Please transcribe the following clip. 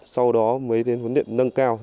sau đó mới đến huấn luyện nâng cao